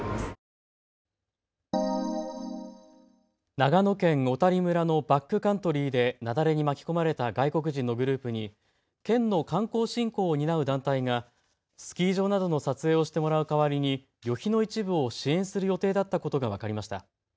長野県小谷村のバックカントリーで雪崩に巻き込まれた外国人のグループに県の観光振興を担う団体がスキー場などの撮影をしてもらう代わりに旅費の一部を支援する予定だったことが分かりました。